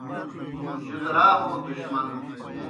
جُدرا ہو دُشمن